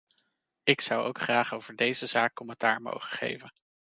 Ik zou ook graag over deze zaak commentaar mogen geven.